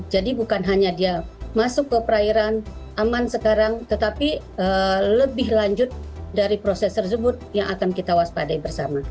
jadi bukan hanya dia masuk ke perairan aman sekarang tetapi lebih lanjut dari proses tersebut yang akan kita waspadai bersama